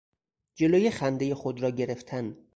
جلوی خندهی خود را گرفتن